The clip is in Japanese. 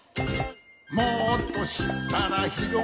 「もっとしったらひろがるよ」